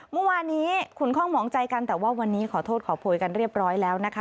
เมื่อวานนี้ขุนคล่องหมองใจกันแต่ว่าวันนี้ขอโทษขอโพยกันเรียบร้อยแล้วนะคะ